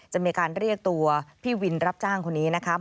จะมีการเรียกตัวพี่วินรับจ้างคนนี้นะคะ